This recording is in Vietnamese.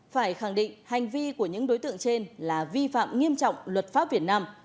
phải khẳng định hành vi của những đối tượng trên là vi phạm nghiêm trọng luật pháp việt nam